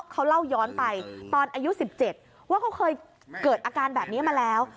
เขาเล่าย้อนไปตอนอายุ๑๗ว่าเขาเคยเกิดอาการแบบนี้มาแล้ว